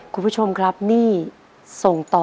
คุณผู้ชมครับหนี้ส่งต่อ